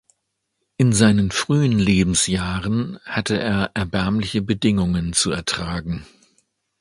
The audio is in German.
In seinen frühen Lebensjahren hatte er erbärmliche Bedingungen zu ertragen.